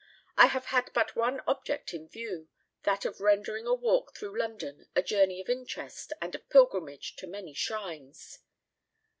I have had but one object in view, that of rendering a walk through London a journey of interest and of pilgrimage to many shrines.